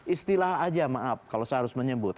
istilah aja maaf kalau saya harus menyebut